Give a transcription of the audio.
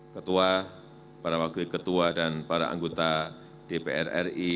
ketua para wakil ketua dan para anggota dpr ri